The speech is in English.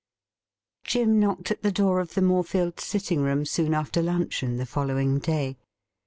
Jim knocked at the door of the Morefields' sitting room soon after luncheon the following day.